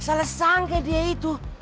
salah sangka dia itu